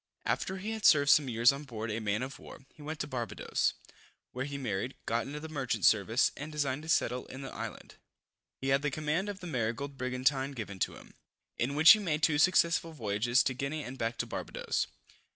After he had served some years on board a man of war, he went to Barbadoes, where he married, got into the merchant service, and designed to settle in the island. He had the command of the Marygold brigantine given him, in which he made two successful voyages to Guinea and back to Barbadoes.